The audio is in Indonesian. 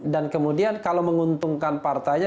dan kemudian kalau menguntungkan partainya